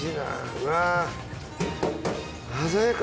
うわぁ鮮やか！